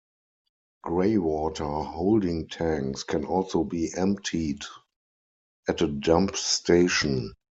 Greywater holding tanks can also be emptied at a dump station.